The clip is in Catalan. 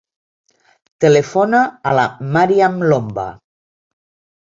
Telefona a la Màriam Lomba.